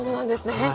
はい。